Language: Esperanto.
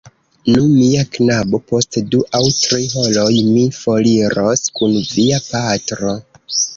Nu, mia knabo, post du aŭ tri horoj mi foriros kun via patro...